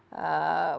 jadi bagaimana cara kita